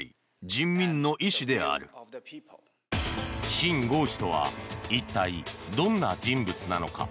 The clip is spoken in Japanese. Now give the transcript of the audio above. シン・ゴウ氏とは一体、どんな人物なのか。